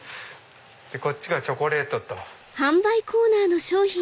こっちがチョコレート。